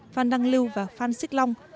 phan đăng lưu và phan xích long